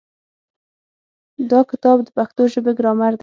دا کتاب د پښتو ژبې ګرامر دی.